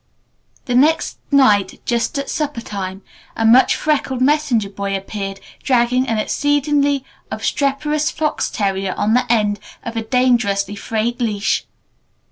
The next night just at supper time a much freckled messenger boy appeared dragging an exceedingly obstreperous fox terrier on the end of a dangerously frayed leash.